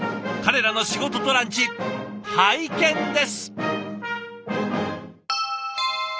彼らの仕事とランチ拝見です！